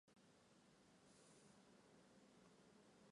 菠萝蛋白酶与姜黄合用能减轻症状。